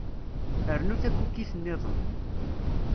Rnu takukit niḍen.